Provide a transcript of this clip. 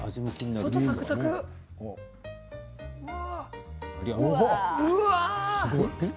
外サクサク、うわあ。